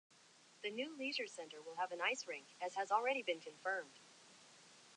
The new leisure centre will have an ice rink, as has already been confirmed.